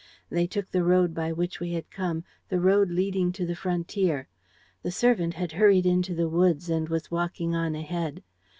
They took the road by which we had come, the road leading to the frontier. The servant had hurried into the woods and was walking on ahead.